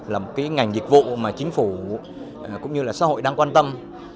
là một ngành dịch vụ mà chính phủ cũng như xã hội đang quan tâm